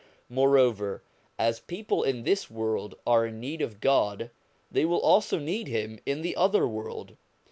Moreover, as people in this world are in need of God, they will also need Him in the other world.